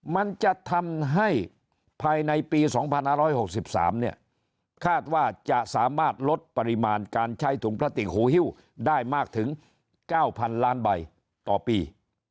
มันจะทำให้ภายในปี๒๕๖๓คาดว่าจะสามารถลดปริมาณการใช้ถุงพลาติกหูฮิ้วได้มากถึง๙๐๐ล้านใบต่อปี